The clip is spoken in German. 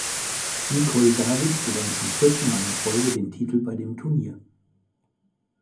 Nicol David gewann zum vierten Mal in Folge den Titel bei dem Turnier.